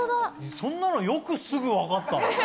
そんなのよくすぐに分かったね。